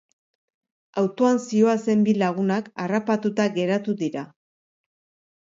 Autoan zihoazen bi lagunak harrapatuta geratu dira.